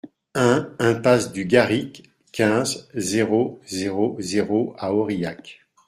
un impasse du Garric, quinze, zéro zéro zéro à Aurillac